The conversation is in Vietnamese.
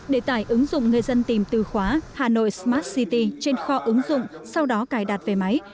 để tải ứng dụng người dân tìm từ khóa hà nội smart city trên kho ứng dụng sau đó cài đặt về máy